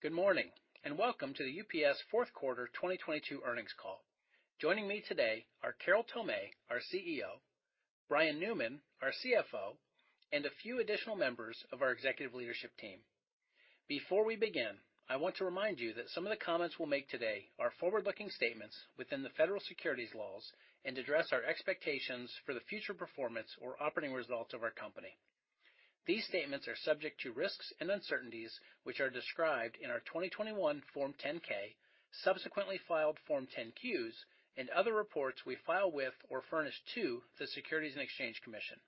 Good morning, and welcome to the UPS 4th quarter 2022 earnings call. Joining me today are Carol Tomé, our CEO, Brian Newman, our CFO, and a few additional members of our executive leadership team. Before we begin, I want to remind you that some of the comments we'll make today are forward-looking statements within the Federal Securities Laws and address our expectations for the future performance or operating results of our company. These statements are subject to risks and uncertainties, which are described in our 2021 Form 10-K, subsequently filed Form 10-Qs, and other reports we file with or furnish to the Securities and Exchange Commission.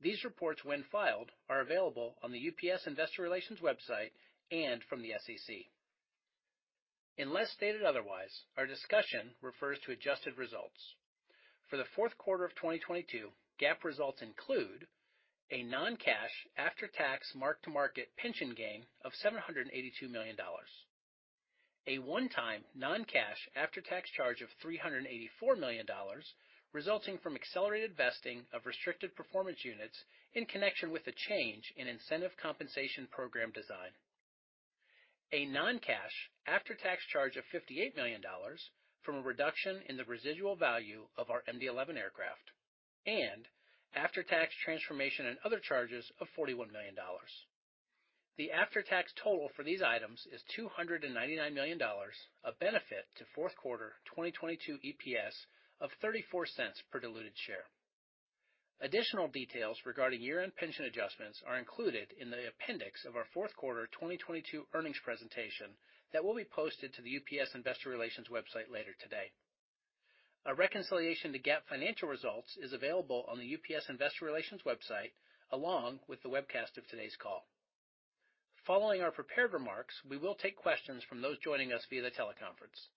These reports, when filed, are available on the UPS Investor Relations website and from the SEC. Unless stated otherwise, our discussion refers to adjusted results. For the fourth quarter of 2022, GAAP results include a non-cash after-tax mark-to-market pension gain of $782 million, a one-time non-cash after-tax charge of $384 million resulting from accelerated vesting of restricted performance units in connection with a change in incentive compensation program design. A non-cash after-tax charge of $58 million from a reduction in the residual value of our MD-11 aircraft, and after-tax transformation and other charges of $41 million. The after-tax total for these items is $299 million, a benefit to fourth quarter 2022 EPS of $0.34 per diluted share. Additional details regarding year-end pension adjustments are included in the appendix of our fourth quarter 2022 earnings presentation that will be posted to the UPS Investor Relations website later today. A reconciliation to GAAP financial results is available on the UPS Investor Relations website, along with the webcast of today's call. Following our prepared remarks, we will take questions from those joining us via the teleconference.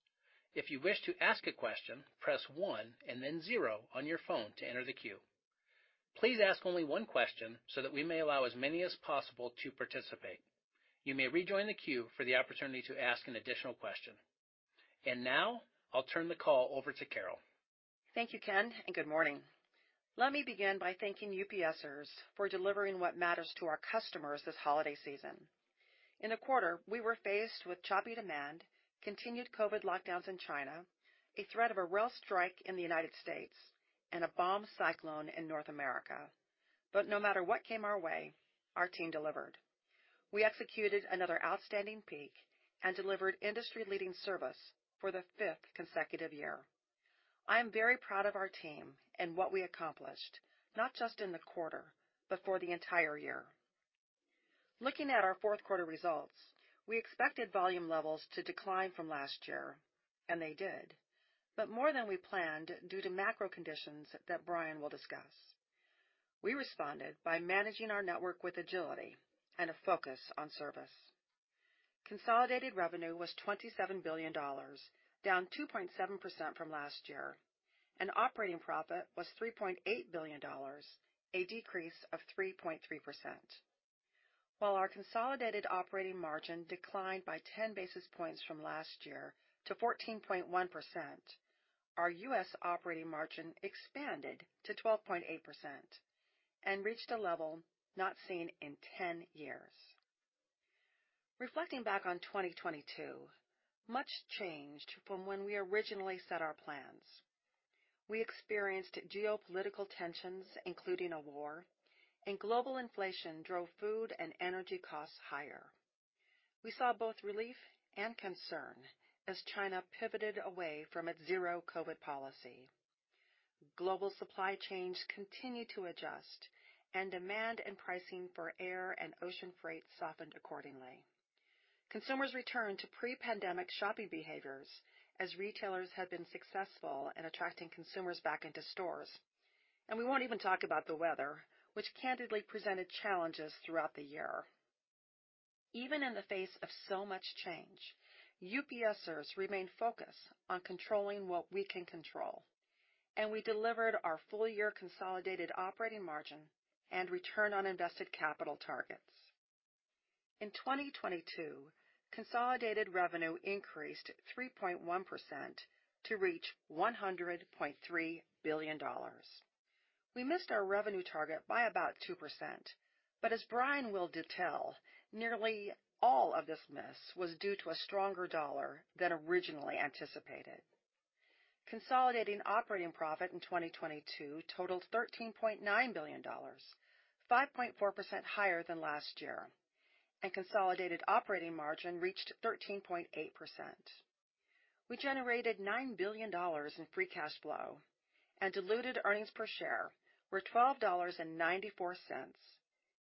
If you wish to ask a question, press one and then zero on your phone to enter the queue. Please ask only one question so that we may allow as many as possible to participate. You may rejoin the queue for the opportunity to ask an additional question. Now I'll turn the call over to Carol. Thank you, Ken, and good morning. Let me begin by thanking UPSers for delivering what matters to our customers this holiday season. In a quarter, we were faced with choppy demand, continued COVID lockdowns in China, a threat of a rail strike in the United States, and a bomb cyclone in North America. No matter what came our way, our team delivered. We executed another outstanding peak and delivered industry-leading service for the fifth consecutive year. I am very proud of our team and what we accomplished, not just in the quarter, but for the entire year. Looking at our fourth quarter results, we expected volume levels to decline from last year, and they did, but more than we planned due to macro conditions that Brian will discuss. We responded by managing our network with agility and a focus on service. Consolidated revenue was $27 billion, down 2.7% from last year. Operating profit was $3.8 billion, a decrease of 3.3%. While our consolidated operating margin declined by 10 basis points from last year to 14.1%, our U.S. operating margin expanded to 12.8% and reached a level not seen in 10 years. Reflecting back on 2022, much changed from when we originally set our plans. We experienced geopolitical tensions, including a war. Global inflation drove food and energy costs higher. We saw both relief and concern as China pivoted away from its zero-COVID policy. Global supply chains continued to adjust. Demand and pricing for air and ocean freight softened accordingly. Consumers returned to pre-pandemic shopping behaviors as retailers had been successful in attracting consumers back into stores. We won't even talk about the weather, which candidly presented challenges throughout the year. Even in the face of so much change, UPSers remained focused on controlling what we can control, and we delivered our full year consolidated operating margin and return on invested capital targets. In 2022, consolidated revenue increased 3.1% to reach $100.3 billion. We missed our revenue target by about 2%, but as Brian will detail, nearly all of this miss was due to a stronger dollar than originally anticipated. Consolidated operating profit in 2022 totaled $13.9 billion, 5.4% higher than last year, and consolidated operating margin reached 13.8%. We generated $9 billion in free cash flow and diluted earnings per share were $12.94,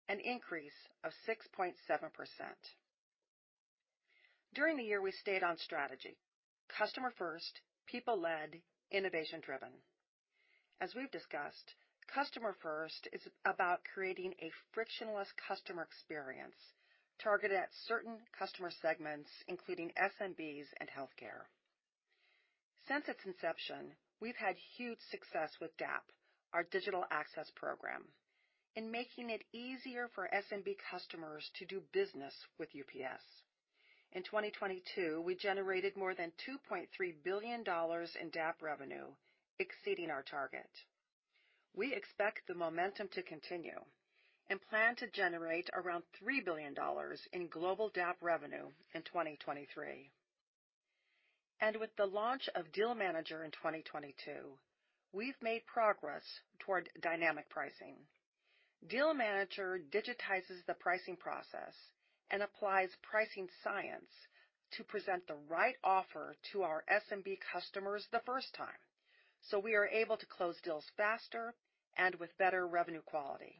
an increase of 6.7%. During the year, we stayed on strategy. Customer first, People-led, Innovation driven. As we've discussed, Customer first is about creating a frictionless customer experience targeted at certain customer segments, including SMBs and healthcare. Since its inception, we've had huge success with DAP, our Digital Access Program, in making it easier for SMB customers to do business with UPS. In 2022, we generated more than $2.3 billion in DAP revenue, exceeding our target. We expect the momentum to continue and plan to generate around $3 billion in global DAP revenue in 2023. With the launch of Deal Manager in 2022, we've made progress toward dynamic pricing. Deal Manager digitizes the pricing process and applies pricing science to present the right offer to our SMB customers the first time, so we are able to close deals faster and with better revenue quality.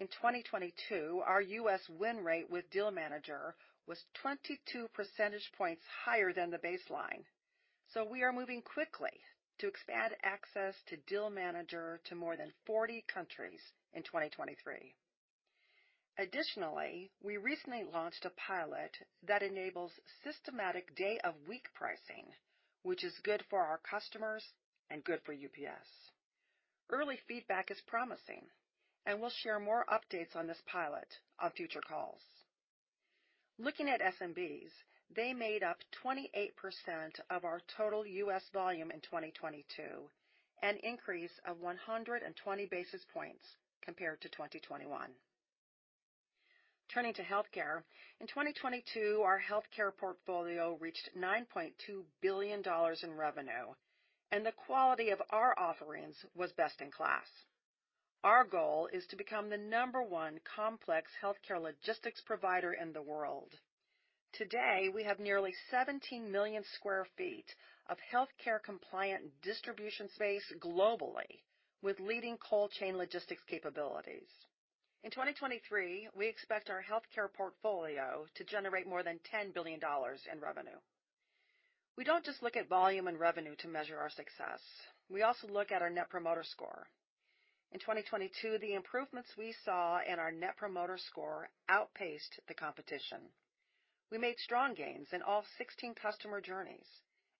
In 2022, our U.S. win rate with Deal Manager was 22 percentage points higher than the baseline. We are moving quickly to expand access to Deal Manager to more than 40 countries in 2023. Additionally, we recently launched a pilot that enables systematic day-of-week pricing, which is good for our customers and good for UPS. Early feedback is promising, we'll share more updates on this pilot on future calls. Looking at SMBs, they made up 28% of our total U.S. volume in 2022, an increase of 120 basis points compared to 2021. Turning to healthcare. In 2022, our healthcare portfolio reached $9.2 billion in revenue, the quality of our offerings was best in class. Our goal is to become the number one complex healthcare logistics provider in the world. Today, we have nearly 17 million sq ft of healthcare compliant distribution space globally with leading cold chain logistics capabilities. In 2023, we expect our healthcare portfolio to generate more than $10 billion in revenue. We don't just look at volume and revenue to measure our success. We also look at our Net Promoter Score. In 2022, the improvements we saw in our Net Promoter Score outpaced the competition. We made strong gains in all 16 customer journeys,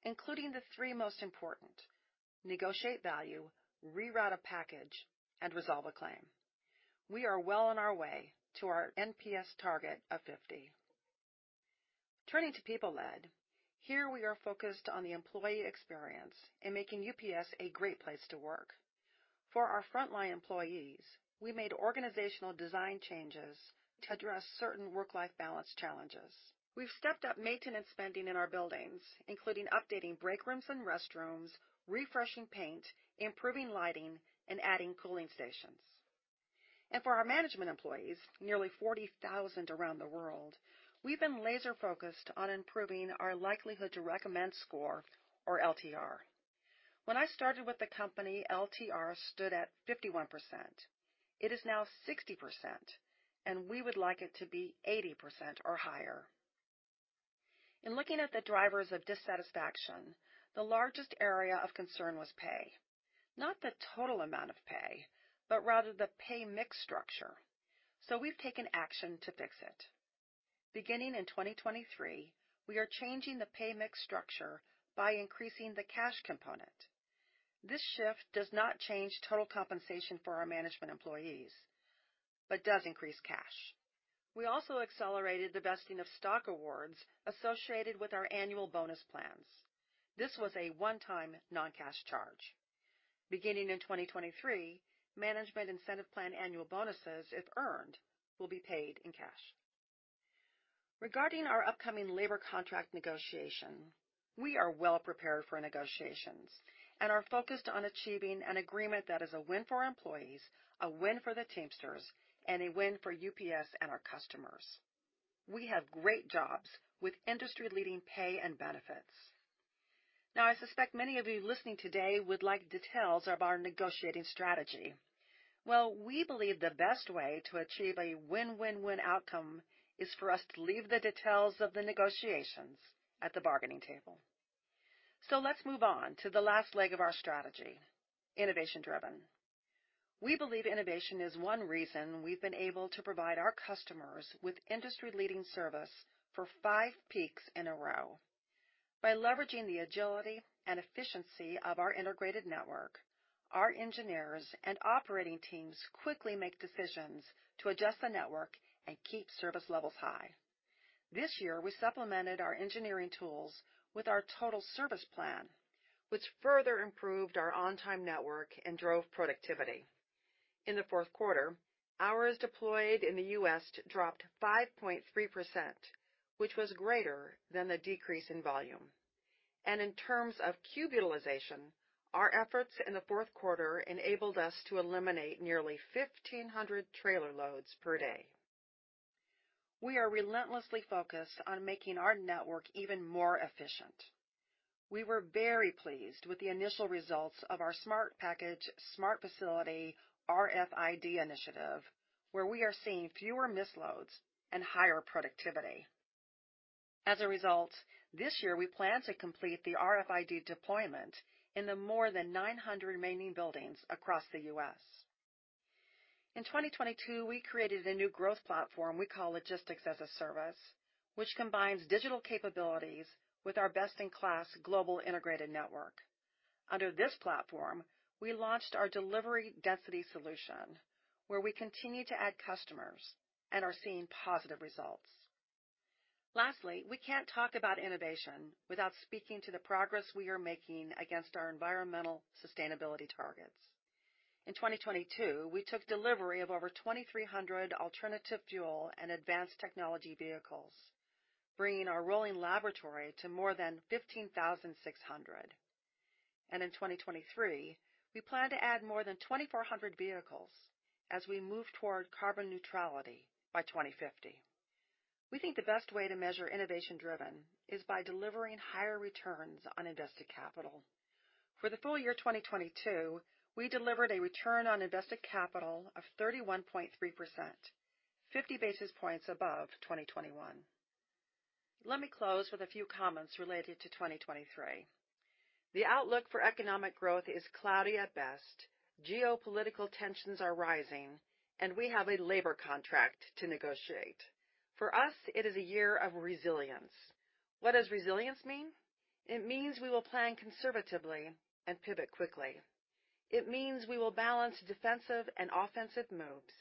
including the three most important: negotiate value, reroute a package, and resolve a claim. We are well on our way to our NPS target of 50. Turning to People-led. Here we are focused on the employee experience and making UPS a great place to work. For our frontline employees, we made organizational design changes to address certain work-life balance challenges. We've stepped up maintenance spending in our buildings, including updating break rooms and restrooms, refreshing paint, improving lighting, and adding cooling stations. For our management employees, nearly 40,000 around the world, we've been laser focused on improving our Likelihood to Recommend score, or LTR. When I started with the company, LTR stood at 51%. It is now 60%, and we would like it to be 80% or higher. In looking at the drivers of dissatisfaction, the largest area of concern was pay. Not the total amount of pay, but rather the pay mix structure. We've taken action to fix it. Beginning in 2023, we are changing the pay mix structure by increasing the cash component. This shift does not change total compensation for our management employees, but does increase cash. We also accelerated the vesting of stock awards associated with our annual bonus plans. This was a one-time non-cash charge. Beginning in 2023, management incentive plan annual bonuses, if earned, will be paid in cash. Regarding our upcoming labor contract negotiation, we are well prepared for negotiations and are focused on achieving an agreement that is a win for employees, a win for the Teamsters, and a win for UPS and our customers. We have great jobs with industry-leading pay and benefits. I suspect many of you listening today would like details of our negotiating strategy. We believe the best way to achieve a win-win-win outcome is for us to leave the details of the negotiations at the bargaining table. Let's move on to the last leg of our strategy, innovation driven. We believe innovation is one reason we've been able to provide our customers with industry-leading service for five peaks in a row. By leveraging the agility and efficiency of our integrated network, our engineers and operating teams quickly make decisions to adjust the network and keep service levels high. This year, we supplemented our engineering tools with our Total Service Plan, which further improved our on-time network and drove productivity. In the fourth quarter, hours deployed in the U.S. dropped 5.3%, which was greater than the decrease in volume. In terms of cube utilization, our efforts in the fourth quarter enabled us to eliminate nearly 1,500 trailer loads per day. We are relentlessly focused on making our network even more efficient. We were very pleased with the initial results of our Smart Package, Smart Facility RFID initiative, where we are seeing fewer misloads and higher productivity. This year we plan to complete the RFID deployment in the more than 900 remaining buildings across the U.S. In 2022, we created a new growth platform we call Logistics as a Service, which combines digital capabilities with our best-in-class global integrated network. Under this platform, we launched our delivery density solution, where we continue to add customers and are seeing positive results. We can't talk about innovation without speaking to the progress we are making against our environmental sustainability targets. In 2022, we took delivery of over 2,300 alternative fuel and advanced technology vehicles, bringing our rolling laboratory to more than 15,600. In 2023, we plan to add more than 2,400 vehicles as we move toward carbon neutrality by 2050. We think the best way to measure innovation driven is by delivering higher returns on invested capital. For the full year 2022, we delivered a return on invested capital of 31.3%, 50 basis points above 2021. Let me close with a few comments related to 2023. The outlook for economic growth is cloudy at best. Geopolitical tensions are rising, and we have a labor contract to negotiate. For us, it is a year of resilience. What does resilience mean? It means we will plan conservatively and pivot quickly. It means we will balance defensive and offensive moves,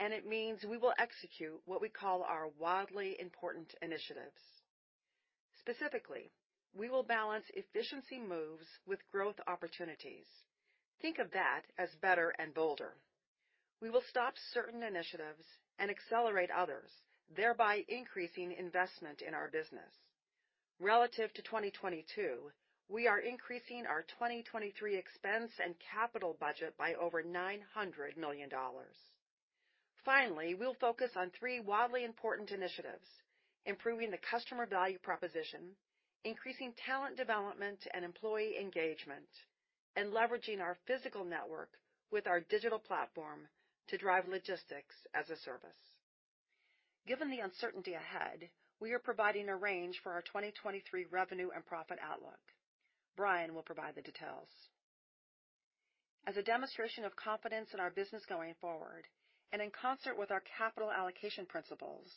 and it means we will execute what we call our wildly important initiatives. Specifically, we will balance efficiency moves with growth opportunities. Think of that as better and bolder. We will stop certain initiatives and accelerate others, thereby increasing investment in our business. Relative to 2022, we are increasing our 2023 expense and capital budget by over $900 million. Finally, we'll focus on three wildly important initiatives: improving the customer value proposition, increasing talent development and employee engagement, and leveraging our physical network with our digital platform to drive Logistics as a Service. Given the uncertainty ahead, we are providing a range for our 2023 revenue and profit outlook. Brian will provide the details. As a demonstration of confidence in our business going forward and in concert with our capital allocation principles,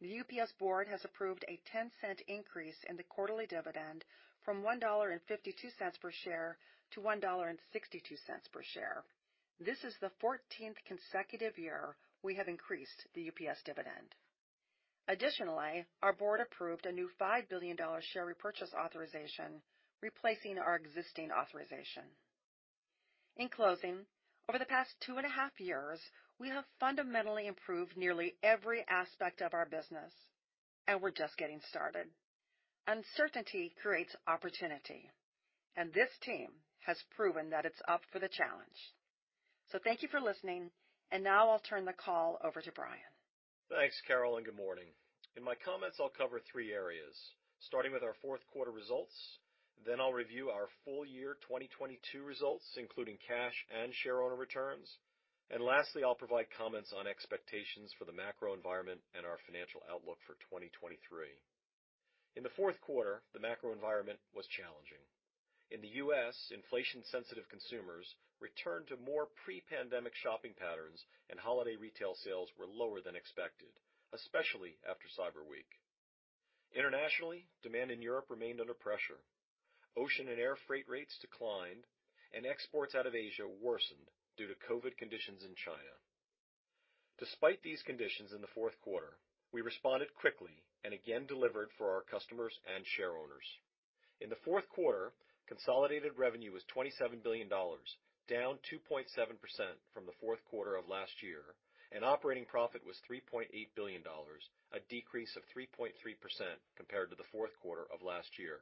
the UPS Board has approved a $0.10 increase in the quarterly dividend from $1.52 per share to $1.62 per share. This is the 14th consecutive year we have increased the UPS dividend. Additionally, our board approved a new $5 billion share repurchase authorization, replacing our existing authorization. In closing, over the past two and a half years, we have fundamentally improved nearly every aspect of our business. We're just getting started. Uncertainty creates opportunity. This team has proven that it's up for the challenge. Thank you for listening. Now I'll turn the call over to Brian. Thanks, Carol. Good morning. In my comments, I'll cover three areas, starting with our 4th quarter results. I'll review our full year 2022 results, including cash and share owner returns. Lastly, I'll provide comments on expectations for the macro environment and our financial outlook for 2023. In the 4th quarter, the macro environment was challenging. In the U.S., inflation-sensitive consumers returned to more pre-pandemic shopping patterns, and holiday retail sales were lower than expected, especially after Cyber Week. Internationally, demand in Europe remained under pressure. Ocean and air freight rates declined, and exports out of Asia worsened due to COVID conditions in China. Despite these conditions in the 4th quarter, we responded quickly and again delivered for our customers and shareowners. In the fourth quarter, consolidated revenue was $27 billion, down 2.7% from the fourth quarter of last year. Operating profit was $3.8 billion, a decrease of 3.3% compared to the fourth quarter of last year.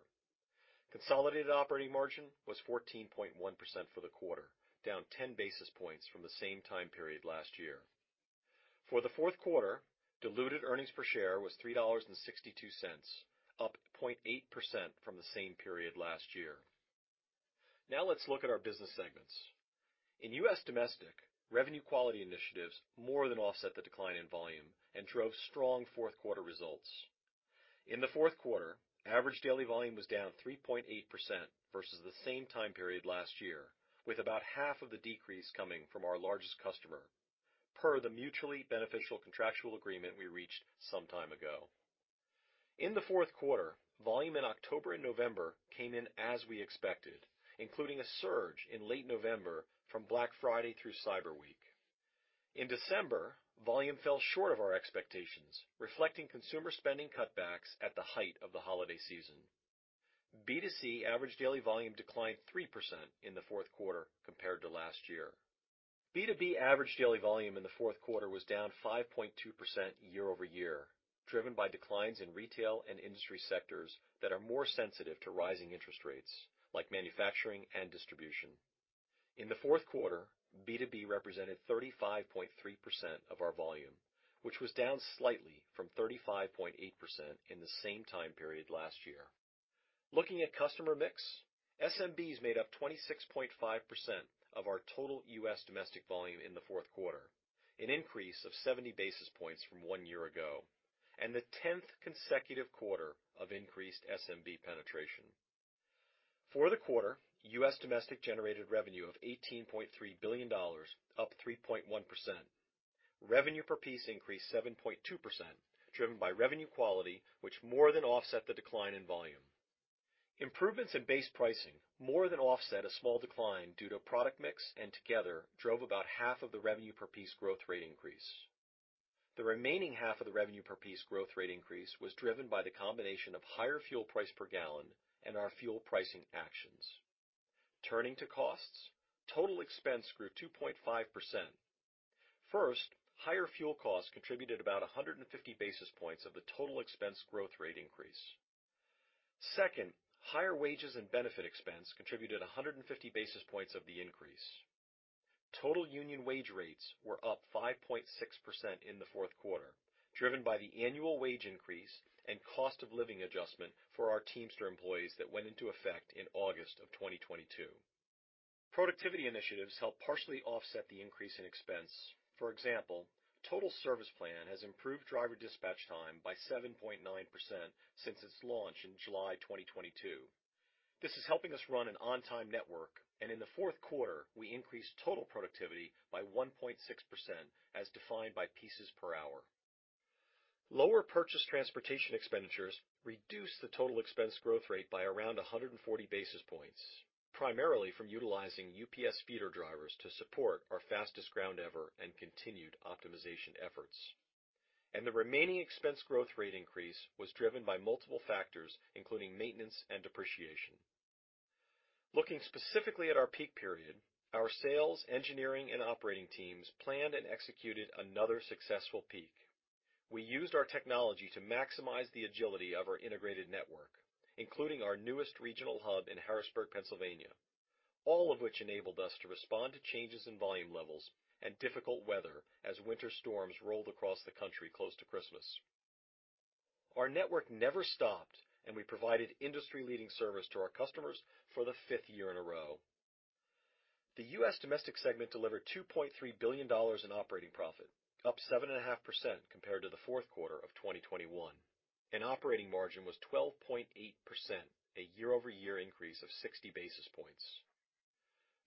Consolidated operating margin was 14.1% for the quarter, down 10 basis points from the same time period last year. For the fourth quarter, diluted earnings per share was $3.62, up 0.8% from the same period last year. Let's look at our business segments. In U.S. Domestic, revenue quality initiatives more than offset the decline in volume and drove strong fourth quarter results. In the fourth quarter, average daily volume was down 3.8% versus the same time period last year, with about half of the decrease coming from our largest customer per the mutually beneficial contractual agreement we reached some time ago. In the fourth quarter, volume in October and November came in as we expected, including a surge in late November from Black Friday through Cyber Week. In December, volume fell short of our expectations, reflecting consumer spending cutbacks at the height of the holiday season. B2C average daily volume declined 3% in the fourth quarter compared to last year. B2B average daily volume in the fourth quarter was down 5.2% year-over-year, driven by declines in retail and industry sectors that are more sensitive to rising interest rates, like manufacturing and distribution. In the fourth quarter, B2B represented 35.3% of our volume, which was down slightly from 35.8% in the same time period last year. Looking at customer mix, SMBs made up 26.5% of our total U.S. Domestic volume in the fourth quarter, an increase of 70 basis points from one year ago and the 10th consecutive quarter of increased SMB penetration. For the quarter, U.S. Domestic generated revenue of $18.3 billion, up 3.1%. Revenue per piece increased 7.2%, driven by revenue quality, which more than offset the decline in volume. Improvements in base pricing more than offset a small decline due to product mix and together drove about half of the revenue per piece growth rate increase. The remaining half of the revenue per piece growth rate increase was driven by the combination of higher fuel price per gallon and our fuel pricing actions. Turning to costs. Total expense grew 2.5%. First, higher fuel costs contributed about 150 basis points of the total expense growth rate increase. Second, higher wages and benefit expense contributed 150 basis points of the increase. Total union wage rates were up 5.6% in the fourth quarter, driven by the annual wage increase and cost of living adjustment for our Teamster employees that went into effect in August of 2022. Productivity initiatives helped partially offset the increase in expense. For example, Total Service Plan has improved driver dispatch time by 7.9% since its launch in July 2022. This is helping us run an on-time network. In the fourth quarter, we increased total productivity by 1.6%, as defined by pieces per hour. Lower purchase transportation expenditures reduced the total expense growth rate by around 140 basis points, primarily from utilizing UPS feeder drivers to support our Fastest Ground Ever and continued optimization efforts. The remaining expense growth rate increase was driven by multiple factors, including maintenance and depreciation. Looking specifically at our peak period, our sales, engineering, and operating teams planned and executed another successful peak. We used our technology to maximize the agility of our integrated network, including our newest regional hub in Harrisburg, Pennsylvania, all of which enabled us to respond to changes in volume levels and difficult weather as winter storms rolled across the country close to Christmas. Our network never stopped. We provided industry-leading service to our customers for the fifth year in a row. The U.S. Domestic segment delivered $2.3 billion in operating profit, up 7.5% compared to the fourth quarter of 2021, and operating margin was 12.8%, a year-over-year increase of 60 basis points.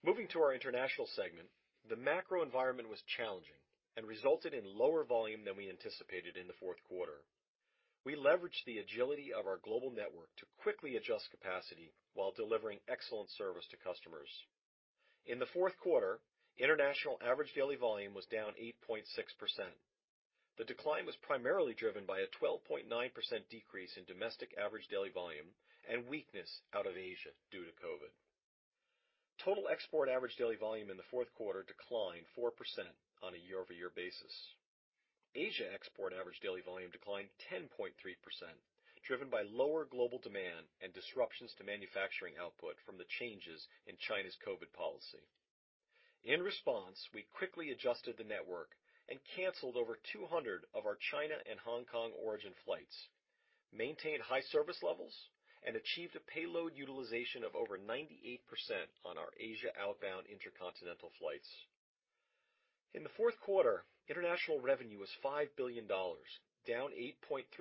Moving to our International segment, the macro environment was challenging and resulted in lower volume than we anticipated in the fourth quarter. We leveraged the agility of our global network to quickly adjust capacity while delivering excellent service to customers. In the fourth quarter, International average daily volume was down 8.6%. The decline was primarily driven by a 12.9% decrease in Domestic Average Daily Volume and weakness out of Asia due to COVID. Total export average daily volume in the fourth quarter declined 4% on a year-over-year basis. Asia export average daily volume declined 10.3%, driven by lower global demand and disruptions to manufacturing output from the changes in China's COVID policy. In response, we quickly adjusted the network and canceled over 200 of our China and Hong Kong origin flights, maintained high service levels, and achieved a payload utilization of over 98% on our Asia outbound intercontinental flights. In the fourth quarter, international revenue was $5 billion, down 8.3%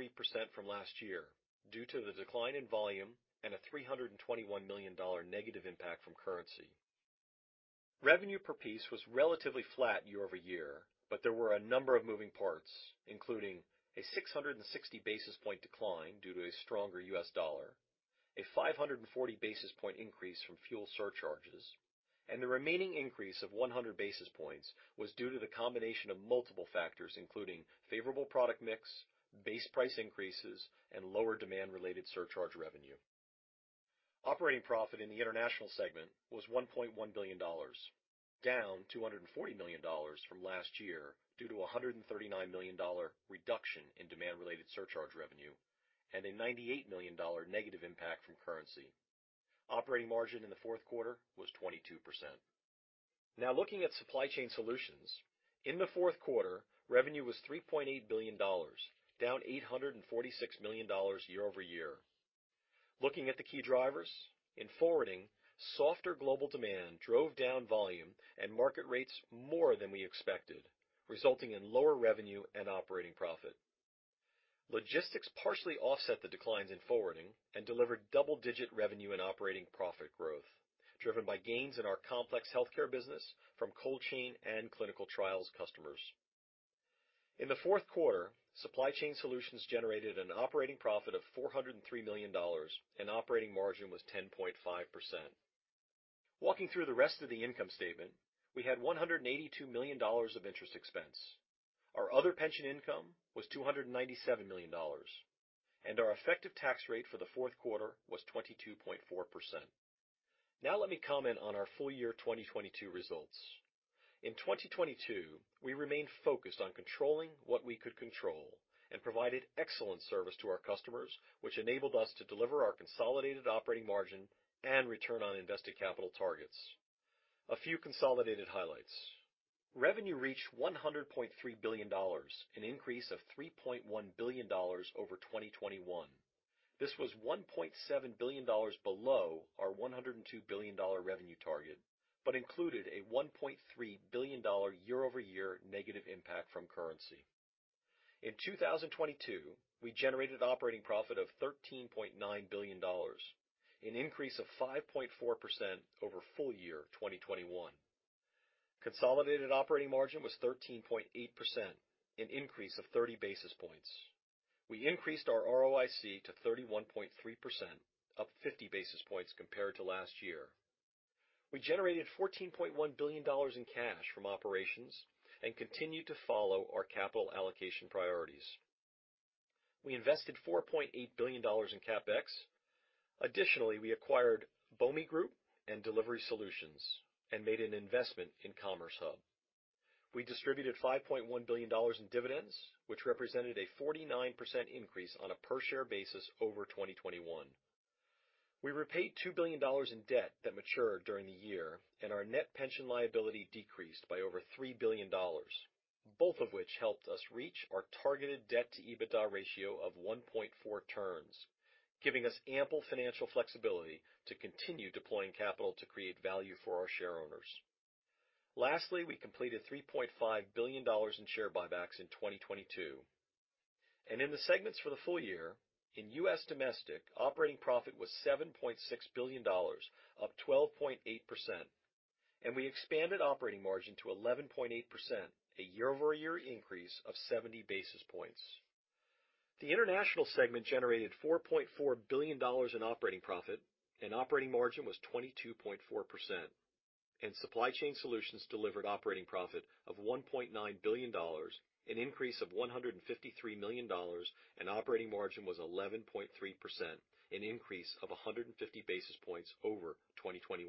from last year due to the decline in volume and a $321 million negative impact from currency. Revenue per piece was relatively flat year-over-year, but there were a number of moving parts, including a 660 basis point decline due to a stronger U.S. dollar, a 540 basis point increase from fuel surcharges, and the remaining increase of 100 basis points was due to the combination of multiple factors, including favorable product mix, base price increases, and lower demand-related surcharge revenue. Operating profit in the International segment was $1.1 billion, down $240 million from last year due to a $139 million reduction in demand-related surcharge revenue and a $98 million negative impact from currency. Operating margin in the fourth quarter was 22%. Looking at Supply Chain Solutions. In the fourth quarter, revenue was $3.8 billion, down $846 million year-over-year. Looking at the key drivers. In forwarding, softer global demand drove down volume and market rates more than we expected, resulting in lower revenue and operating profit. Logistics partially offset the declines in forwarding and delivered double-digit revenue and operating profit growth driven by gains in our complex healthcare business from cold chain and clinical trials customers. In the fourth quarter, Supply Chain Solutions generated an operating profit of $403 million, operating margin was 10.5%. Walking through the rest of the income statement, we had $182 million of interest expense. Our other pension income was $297 million, our effective tax rate for the fourth quarter was 22.4%. Let me comment on our full year 2022 results. In 2022, we remained focused on controlling what we could control and provided excellent service to our customers, which enabled us to deliver our consolidated operating margin and return on invested capital targets. A few consolidated highlights. Revenue reached $100.3 billion, an increase of $3.1 billion over 2021. This was $1.7 billion below our $102 billion revenue target, but included a $1.3 billion year-over-year negative impact from currency. In 2022, we generated operating profit of $13.9 billion, an increase of 5.4% over full year 2021. Consolidated operating margin was 13.8%, an increase of 30 basis points. We increased our ROIC to 31.3%, up 50 basis points compared to last year. We generated $14.1 billion in cash from operations and continued to follow our capital allocation priorities. We invested $4.8 billion in CapEx. We acquired Bomi Group and Delivery Solutions and made an investment in CommerceHub. We distributed $5.1 billion in dividends, which represented a 49% increase on a per-share basis over 2021. We repaid $2 billion in debt that matured during the year, and our net pension liability decreased by over $3 billion, both of which helped us reach our targeted debt-to-EBITDA ratio of 1.4 turns, giving us ample financial flexibility to continue deploying capital to create value for our shareowners. We completed $3.5 billion in share buybacks in 2022. In the segments for the full year, in U.S. Domestic, operating profit was $7.6 billion, up 12.8%, and we expanded operating margin to 11.8%, a year-over-year increase of 70 basis points. The International segment generated $4.4 billion in operating profit, and operating margin was 22.4%. UPS Supply Chain Solutions delivered operating profit of $1.9 billion, an increase of $153 million, and operating margin was 11.3%, an increase of 150 basis points over 2021.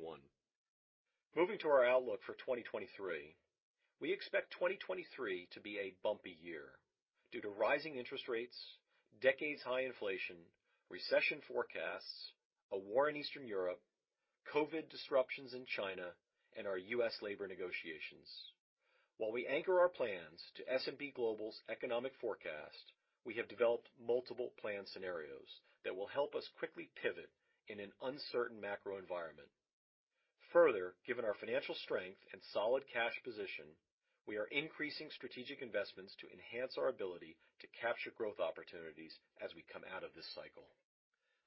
Moving to our outlook for 2023. We expect 2023 to be a bumpy year due to rising interest rates, decades-high inflation, recession forecasts, a war in Eastern Europe, COVID disruptions in China, and our U.S. labor negotiations. While we anchor our plans to S&P Global's economic forecast, we have developed multiple plan scenarios that will help us quickly pivot in an uncertain macro environment. Given our financial strength and solid cash position, we are increasing strategic investments to enhance our ability to capture growth opportunities as we come out of this cycle.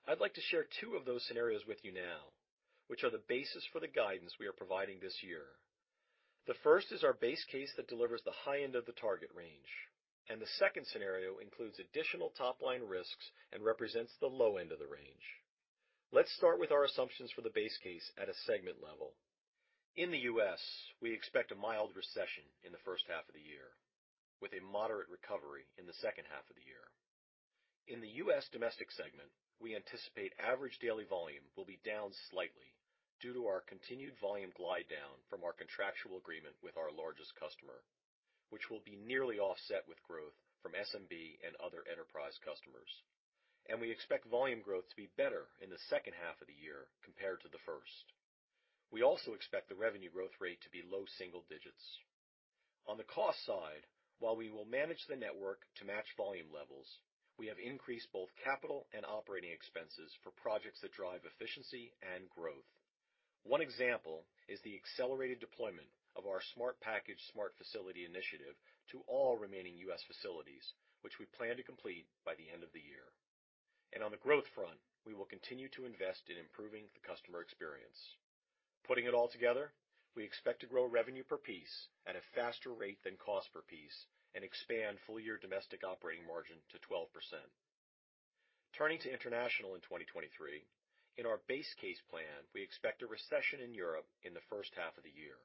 I'd like to share 2 of those scenarios with you now, which are the basis for the guidance we are providing this year. The first is our base case that delivers the high end of the target range, the second scenario includes additional top-line risks and represents the low end of the range. Let's start with our assumptions for the base case at a segment level. In the U.S., we expect a mild recession in the first half of the year, with a moderate recovery in the second half of the year. In the U.S. Domestic segment, we anticipate average daily volume will be down slightly due to our continued volume glide down from our contractual agreement with our largest customer, which will be nearly offset with growth from SMB and other enterprise customers. We expect volume growth to be better in the second half of the year compared to the first. We also expect the revenue growth rate to be low single digits. On the cost side, while we will manage the network to match volume levels, we have increased both capital and operating expenses for projects that drive efficiency and growth. One example is the accelerated deployment of our Smart Package, Smart Facility initiative to all remaining U.S. facilities, which we plan to complete by the end of the year. On the growth front, we will continue to invest in improving the customer experience. Putting it all together, we expect to grow revenue per piece at a faster rate than cost per piece and expand full-year domestic operating margin to 12%. Turning to International in 2023. In our base case plan, we expect a recession in Europe in the first half of the year.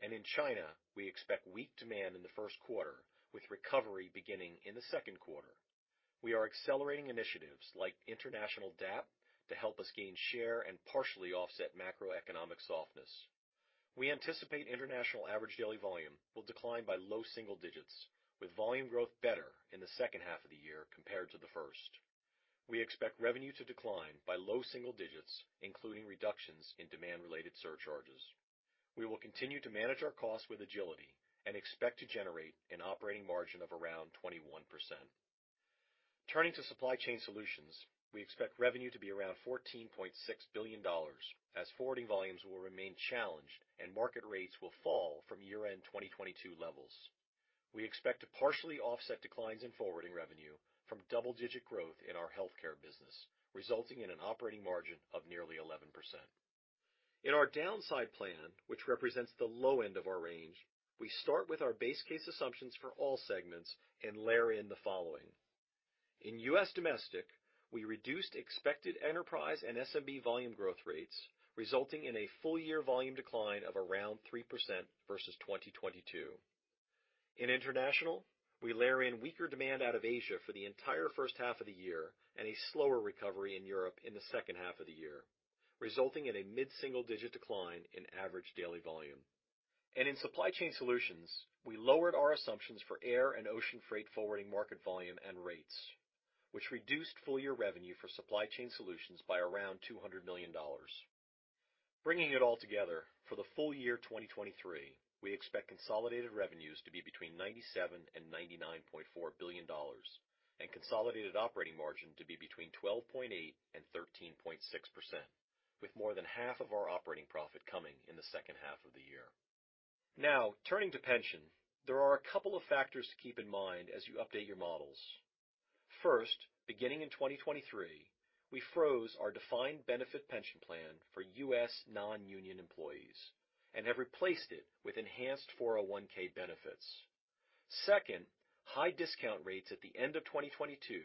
In China, we expect weak demand in the first quarter, with recovery beginning in the second quarter. We are accelerating initiatives like international DAP to help us gain share and partially offset macroeconomic softness. We anticipate international average daily volume will decline by low single digits, with volume growth better in the second half of the year compared to the first. We expect revenue to decline by low single digits, including reductions in demand-related surcharges. We will continue to manage our costs with agility and expect to generate an operating margin of around 21%. Turning to UPS Supply Chain Solutions, we expect revenue to be around $14.6 billion as forwarding volumes will remain challenged and market rates will fall from year-end 2022 levels. We expect to partially offset declines in forwarding revenue from double-digit growth in our healthcare business, resulting in an operating margin of nearly 11%. In our downside plan, which represents the low end of our range, we start with our base case assumptions for all segments and layer in the following. In U.S. Domestic, we reduced expected enterprise and SMB volume growth rates, resulting in a full-year volume decline of around 3% versus 2022. In International, we layer in weaker demand out of Asia for the entire first half of the year and a slower recovery in Europe in the second half of the year, resulting in a mid-single-digit decline in average daily volume. In Supply Chain Solutions, we lowered our assumptions for air and ocean freight forwarding market volume and rates, which reduced full-year revenue for Supply Chain Solutions by around $200 million. Bringing it all together, for the full year 2023, we expect consolidated revenues to be between $97 billion and $99.4 billion and consolidated operating margin to be between 12.8% and 13.6%, with more than half of our operating profit coming in the second half of the year. Now turning to pension. There are a couple of factors to keep in mind as you update your models. First, beginning in 2023, we froze our defined benefit pension plan for U.S. non-union employees and have replaced it with enhanced 401(k) benefits. Second, high discount rates at the end of 2022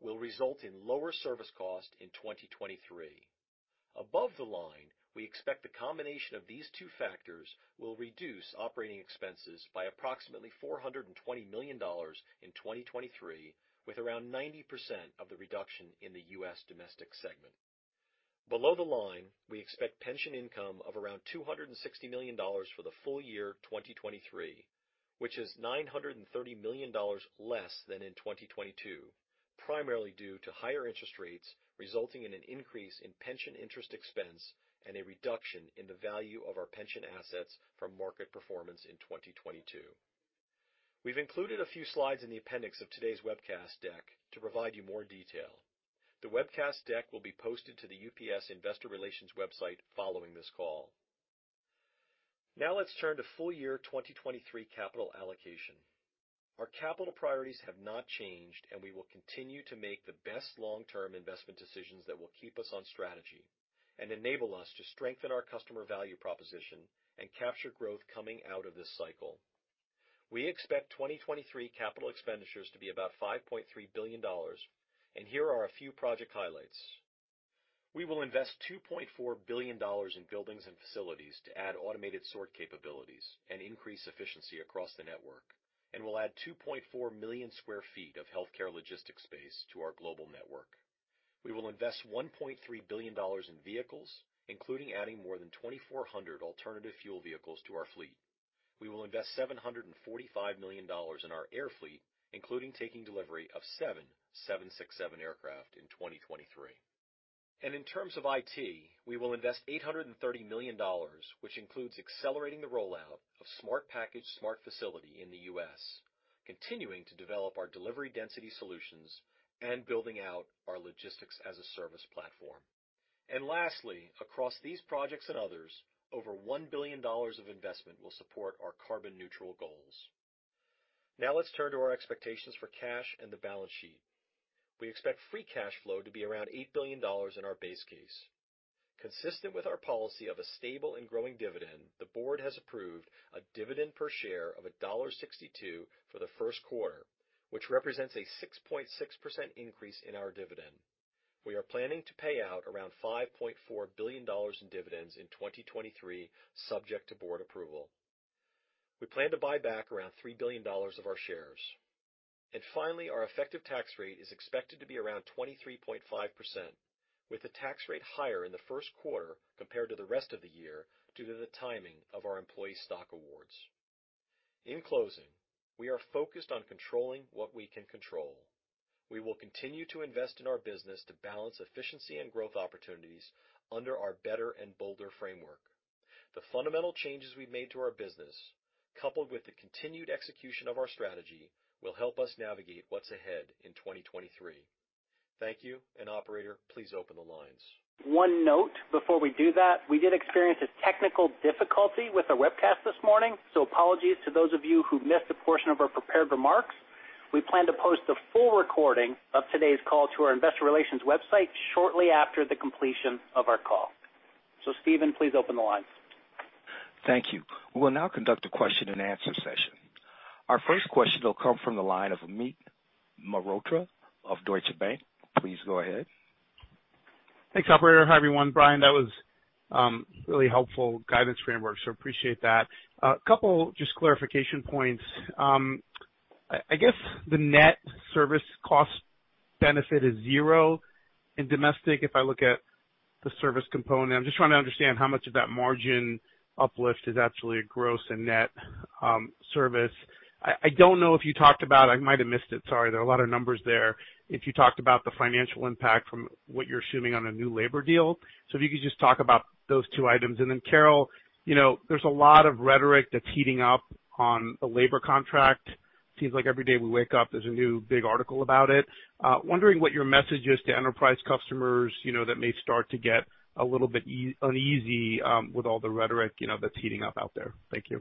will result in lower service cost in 2023. Above the line, we expect the combination of these two factors will reduce operating expenses by approximately $420 million in 2023, with around 90% of the reduction in the U.S. Domestic segment. Below the line, we expect pension income of around $260 million for the full year 2023, which is $930 million less than in 2022, primarily due to higher interest rates resulting in an increase in pension interest expense and a reduction in the value of our pension assets from market performance in 2022. We've included a few slides in the appendix of today's webcast deck to provide you more detail. The webcast deck will be posted to the UPS Investor Relations website following this call. Now let's turn to full year 2023 capital allocation. Our capital priorities have not changed, and we will continue to make the best long-term investment decisions that will keep us on strategy and enable us to strengthen our customer value proposition and capture growth coming out of this cycle. We expect 2023 capital expenditures to be about $5.3 billion, and here are a few project highlights. We will invest $2.4 billion in buildings and facilities to add automated sort capabilities and increase efficiency across the network, and we'll add 2.4 million sq ft of healthcare logistics space to our global network. We will invest $1.3 billion in vehicles, including adding more than 2,400 alternative fuel vehicles to our fleet. We will invest $745 million in our air fleet, including taking delivery of 7 767 aircraft in 2023. In terms of IT, we will invest $830 million, which includes accelerating the rollout of Smart Package, Smart Facility in the U.S., continuing to develop our delivery density solutions, and building out our Logistics as a Service platform. Lastly, across these projects and others, over $1 billion of investment will support our carbon neutral goals. Now let's turn to our expectations for cash and the balance sheet. We expect free cash flow to be around $8 billion in our base case. Consistent with our policy of a stable and growing dividend, the board has approved a dividend per share of $1.62 for the first quarter, which represents a 6.6% increase in our dividend. We are planning to pay out around $5.4 billion in dividends in 2023, subject to board approval. We plan to buy back around $3 billion of our shares. Finally, our effective tax rate is expected to be around 23.5%, with the tax rate higher in the first quarter compared to the rest of the year due to the timing of our employee stock awards. In closing, we are focused on controlling what we can control. We will continue to invest in our business to balance efficiency and growth opportunities under our better and bolder framework. The fundamental changes we've made to our business, coupled with the continued execution of our strategy, will help us navigate what's ahead in 2023. Thank you. Operator, please open the lines. One note before we do that. We did experience a technical difficulty with our webcast this morning, apologies to those of you who missed a portion of our prepared remarks. We plan to post the full recording of today's call to our investor relations website shortly after the completion of our call. Steven, please open the lines. Thank you. We will now conduct a question-and-answer session. Our first question will come from the line of Amit Mehrotra of Deutsche Bank. Please go ahead. Thanks, Operator. Hi, everyone. Brian, that was really helpful guidance framework. Appreciate that. A couple just clarification points. I guess the net service cost benefit is zero in domestic, if I look at the service component. I'm just trying to understand how much of that margin uplift is actually a gross and net service. I don't know if you talked about, I might have missed it, sorry, there are a lot of numbers there, if you talked about the financial impact from what you're assuming on a new labor deal. If you could just talk about those two items. Carol, you know, there's a lot of rhetoric that's heating up on the labor contract. Seems like every day we wake up, there's a new big article about it. Wondering what your message is to enterprise customers, you know, that may start to get a little bit uneasy, with all the rhetoric, you know, that's heating up out there. Thank you.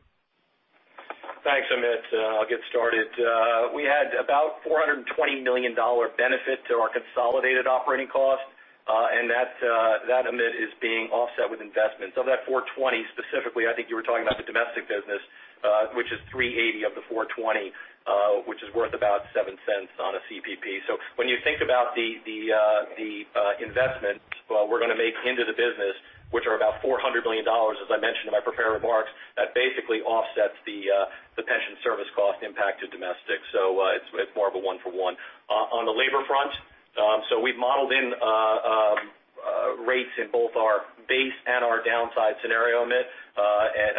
Thanks, Amit. I'll get started. We had about $420 million benefit to our consolidated operating cost, and that Amit is being offset with investments. Of that $420, specifically, I think you were talking about the domestic business, which is $380 of the $420, which is worth about $0.07 on a CPP. When you think about the investments, well, we're gonna make into the business, which are about $400 million, as I mentioned in my prepared remarks, that basically offsets the pension service cost impact to domestic. It's more of a one for one. On the labor front, we've modeled in rates in both our base and our downside scenario, Amit.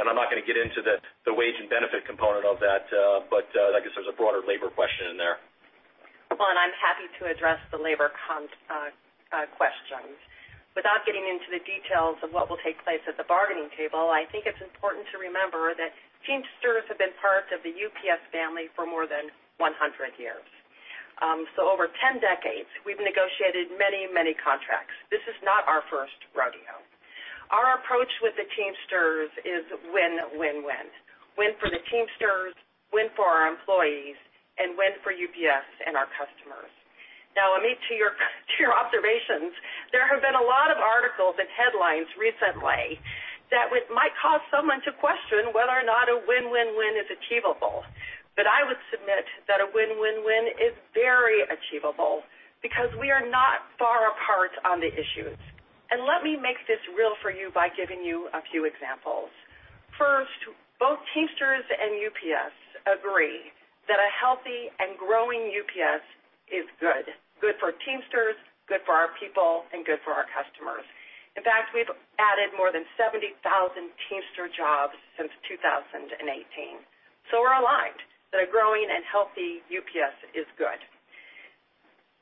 I'm not gonna get into the wage and benefit component of that, but, I guess there's a broader labor question in there. I'm happy to address the labor question. Without getting into the details of what will take place at the bargaining table, I think it's important to remember that Teamsters have been part of the UPS family for more than 100 years. Over 10 decades, we've negotiated many contracts. This is not our first rodeo. Our approach with the Teamsters is win-win. Win for the Teamsters, win for our employees, and win for UPS and our customers. Amit, to your observations, there have been a lot of articles and headlines recently that might cause someone to question whether or not a win-win-win is achievable. I would submit that a win-win is very achievable because we are not far apart on the issues. Let me make this real for you by giving you a few examples. First, both Teamsters and UPS agree that a healthy and growing UPS is good for Teamsters, good for our people and good for our customers. In fact, we've added more than 70,000 Teamster jobs since 2018. We're aligned that a growing and healthy UPS is good.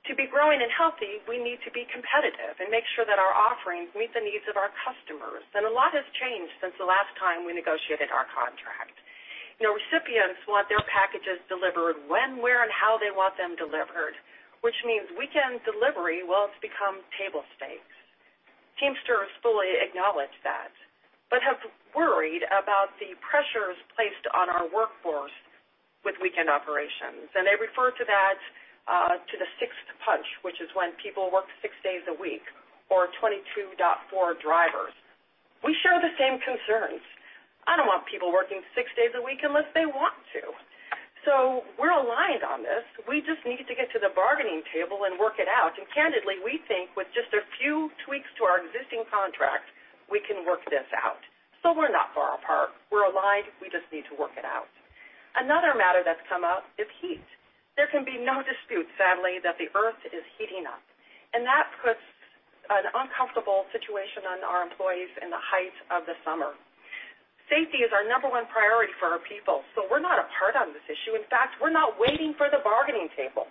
To be growing and healthy, we need to be competitive and make sure that our offerings meet the needs of our customers. A lot has changed since the last time we negotiated our contract. You know, recipients want their packages delivered when, where, and how they want them delivered, which means weekend delivery, well, it's become table stakes. Teamsters fully acknowledge that, but have worried about the pressures placed on our workforce with weekend operations. They refer to that, to the sixth punch, which is when people work six days a week or 22.4 drivers. We share the same concerns. I don't want people working six days a week unless they want to. We're aligned on this. We just need to get to the bargaining table and work it out. Candidly, we think with just a few tweaks to our existing contract, we can work this out. We're not far apart. We're aligned, we just need to work it out. Another matter that's come up is heat. There can be no dispute, sadly, that the Earth is heating up, and that puts an uncomfortable situation on our employees in the height of the summer. Safety is our number one priority for our people, so we're not apart on this issue. In fact, we're not waiting for the bargaining table.